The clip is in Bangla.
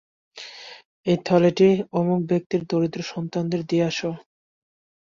এ থলেটি অমুক ব্যক্তির দরিদ্র সন্তানদের দিয়ে আস।